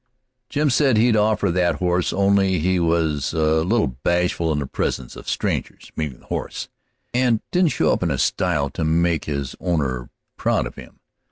Jim said he'd offer that horse, only he was a little bashful in the presence of strangers meaning the horse and didn't show up in a style to make his owner proud of him.